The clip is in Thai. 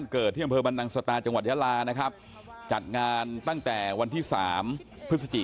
ปกติก็จะเป็นสีล้วนก็คือจะเป็นสีแดงสีขาวสีทั่วไป